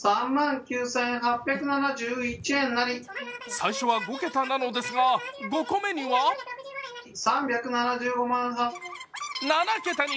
最初は５桁なのですが５個目には７桁に。